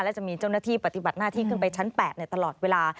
และจะมีเจ้าหน้าที่ปฏิบัติหน้าที่ขึ้นไปชั้น๘ตลอดเวลา